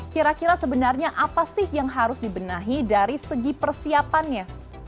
kira kira sebenarnya apa sih yang harus dibenahi dari segi persiapannya